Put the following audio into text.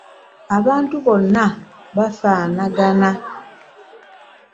Abantu bonna bafanaanagana.